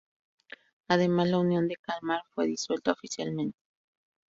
Además, la Unión de Kalmar fue disuelta oficialmente.